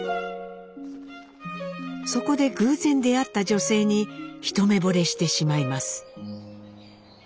そこで偶然出会った女性に一目ぼれしてしまいます。